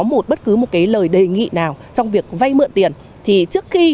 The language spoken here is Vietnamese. một bất cứ một cái lời đề nghị nào trong việc vay mượn tiền thì trước khi